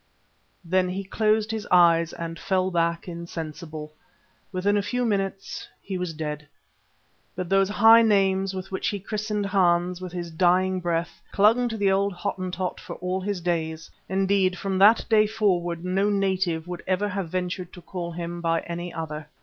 '" Then he closed his eyes and fell back insensible. Within a few minutes he was dead. But those high names with which he christened Hans with his dying breath, clung to the old Hottentot for all his days. Indeed from that day forward no native would ever have ventured to call him by any other.